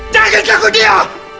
jangan kagum dia